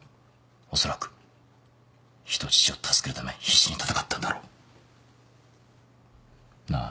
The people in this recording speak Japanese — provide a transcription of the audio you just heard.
おそらく人質を助けるため必死に戦ったんだろう。なあ。